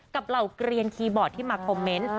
เหล่าเกลียนคีย์บอร์ดที่มาคอมเมนต์